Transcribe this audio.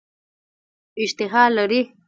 اشتها لري.